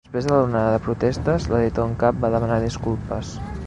Després de l'onada de protestes, l'editor en cap va demanar disculpes.